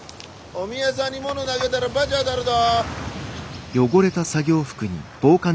・お宮さんにもの投げたら罰当たるど。